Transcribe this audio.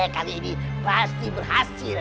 kali ini pasti berhasil